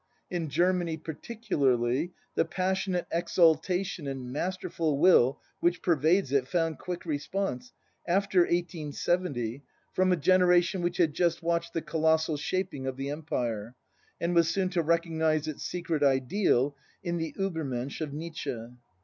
In Germany, particularly, the passionate exaltation and masterful will which pervades it found quick response, after 1870, from a generation which had just watched the colossal shaping of the Empire, and was soon to recognise its secret ideal in the Ubermensch of Nietzsche.